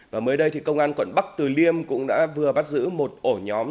và mới đây thì công an quận bắc từ liêm cũng đã vừa bắt giữ một ổ nhóm